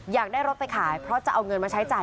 อยากได้รถไปขายเพราะจะเอาเงินมาใช้จ่าย